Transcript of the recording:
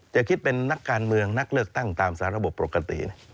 จะคิดเป็นนักการเมืองนักเลือกตั้งตามสาระบบปกติ